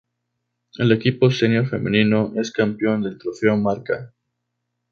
El equipo senior femenino es campeón del Trofeo Marca.